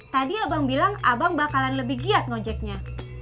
tadi abang bilang abang bakalan lebih giat ngojeknya